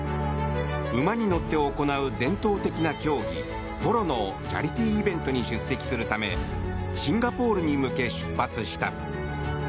馬に乗って行う伝統的な競技ポロのチャリティーイベントに出席するためシンガポールに向け出発した。